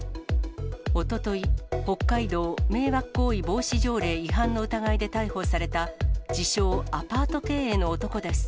おととい、北海道迷惑行為防止条例違反の疑いで逮捕された、自称アパート経営の男です。